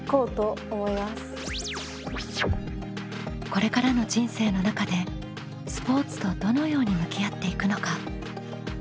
これからの人生の中でスポーツとどのように向き合っていくのか。